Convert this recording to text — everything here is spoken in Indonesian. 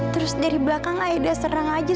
terus dari belakang aida serang aja